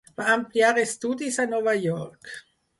Va ampliar estudis a Nova York.